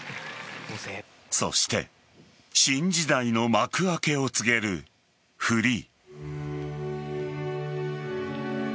そしてシン時代の幕開けを告げるフリー。